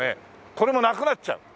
これもなくなっちゃう。